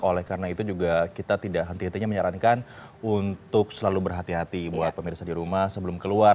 oleh karena itu juga kita tidak henti hentinya menyarankan untuk selalu berhati hati buat pemirsa di rumah sebelum keluar